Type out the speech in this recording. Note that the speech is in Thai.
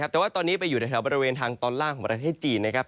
แต่ว่าตอนนี้ไปอยู่ในแถวบริเวณทางตอนล่างของประเทศจีนนะครับ